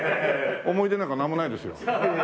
思い出なんかなんもないですよ。